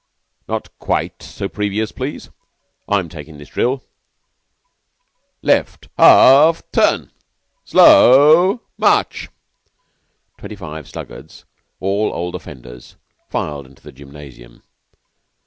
"Not quite so previous, please. I'm taking this drill. Left, half turn! Slow march." Twenty five sluggards, all old offenders, filed into the gymnasium.